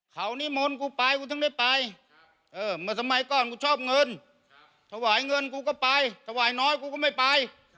เขานิมนต์กูไปกูถึงได้ไปเมื่อสมัยก่อนกูชอบเงินถวายเงินกูก็ไปถวายน้อยกูก็ไม่ไป